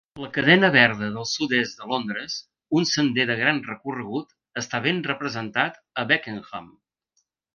La cadena verda del sud-est de Londres, un sender de gran recorregut està ben representat a Beckenham.